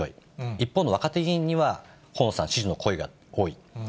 一方の若手議員には、河野さん支持の声が多い。